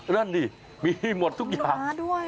นั่นดิมีหมดทุกอย่าง